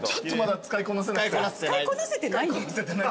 使いこなせてないの？